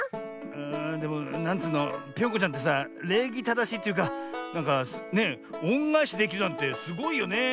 でもなんつうのぴょんこちゃんってされいぎただしいというかなんかねおんがえしできるなんてすごいよね。